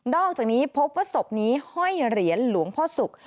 อกจากนี้พบว่าศพนี้ห้อยเหรียญหลวงพ่อศุกร์